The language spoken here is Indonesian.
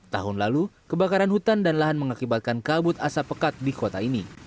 tahun lalu kebakaran hutan dan lahan mengakibatkan kabut asap pekat di kota ini